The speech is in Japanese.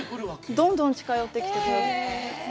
どんどん近寄ってきて。